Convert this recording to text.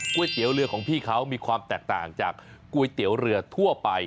เตี๋ยวเรือของพี่เขามีความแตกต่างจากก๋วยเตี๋ยวเรือทั่วไป